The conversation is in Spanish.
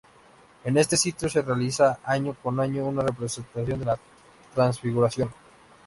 En este sitio se realiza año con año una representación de la Transfiguración.